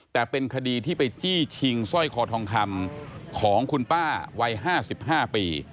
แต่เป็นคดีที่ไปจี้ชิงสร้อยคอทองคำของคุณป้าวัย๕๕ปี